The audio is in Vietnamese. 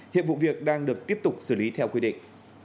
hiện vụ việc đang được tiếp tục xử lý theo quy định